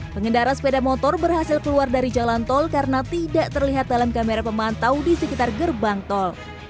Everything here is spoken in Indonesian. pengendara sepeda motor berhasil keluar dari jalan tol karena tidak terlihat dalam kamera pemantau di sekitar gerbang tol